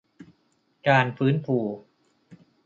การฟื้นฟู